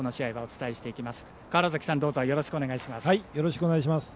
よろしくお願いします。